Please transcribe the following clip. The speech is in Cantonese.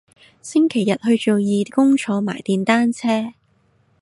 星期日去做義工坐埋電單車